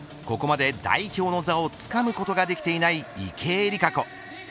ここまで代表の座をつかむことができていない池江璃花子。